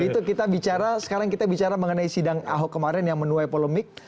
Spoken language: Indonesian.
itu kita bicara sekarang kita bicara mengenai sidang ahok kemarin yang menuai polemik